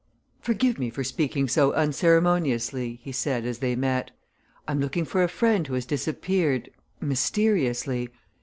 "Forgive me for speaking so unceremoniously," he said as they met. "I'm looking for a friend who has disappeared mysteriously.